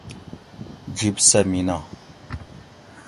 جِب سہۤ مینہ